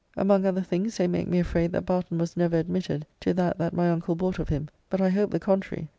Among other things they make me afraid that Barton was never admitted to that that my uncle bought of him, but I hope the contrary.